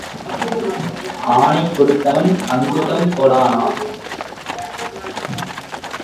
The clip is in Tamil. ஆனை கொடுத்தவன் அங்குசம் கொடானா?